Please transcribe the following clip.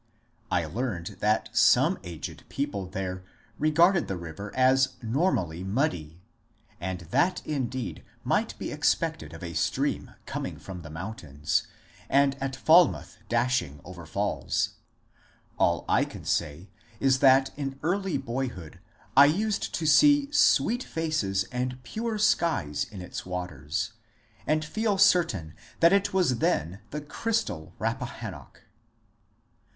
I learned that some aged people there re garded the river as normally muddy, and that indeed might be expected of a stream coming from the mountains, and at Falmouth dashing over falls. All I can say is that in early boyhood I used to see sweet faces and pure skies in its waters, and feel certain that it was then the crystal Rappahannock.